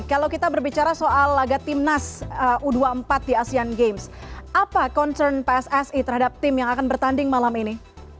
kalau kita berbicara soal laga timnas u dua puluh empat di asean games apa concern pssi terhadap tim yang akan bertanding malam ini